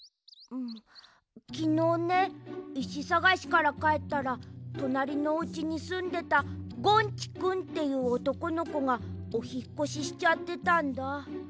うんきのうねいしさがしからかえったらとなりのおうちにすんでたゴンチくんっていうおとこのこがおひっこししちゃってたんだ。